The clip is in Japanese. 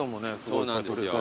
そうなんですよ。